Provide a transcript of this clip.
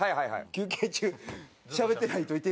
休憩中しゃべってない人いてるんすか？